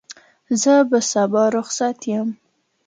زه به سبا رخصت یم.